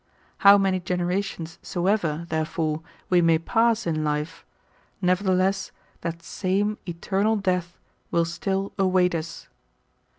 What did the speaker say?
How many generations soever, therefore, we may pass in life, nevertheless that same eternal death will still await us.